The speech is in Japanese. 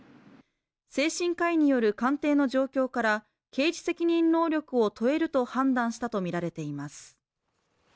精神科医による鑑定の状況から刑事責任能力を問えると判断したとみられています。